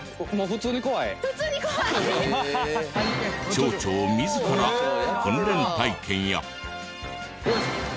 町長自ら訓練体験や。